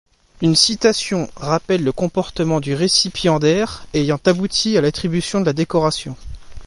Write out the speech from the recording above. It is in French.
Une citation rappelle le comportement du récipiendaire ayant abouti à l’attribution de la décoration.